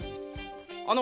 あの！